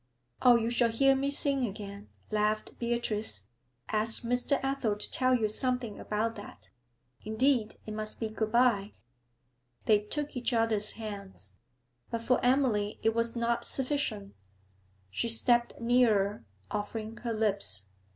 'O, you shall hear me sing again!' laughed Beatrice. 'Ask Mr. Athel to tell you something about that. Indeed, it must be good bye.' They took each other's hands, but for Emily it was not sufficient; she stepped nearer, offering her lips.